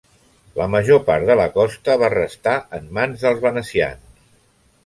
La major part de la costa va restar en mans dels venecians.